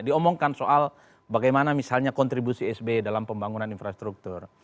diomongkan soal bagaimana misalnya kontribusi sby dalam pembangunan infrastruktur